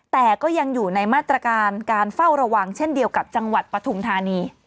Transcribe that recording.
แต่ก็ยังอยู่ในมาตรการการเฝ้าระวังเช่นเดียวกับจังหวัดปฐุมธานี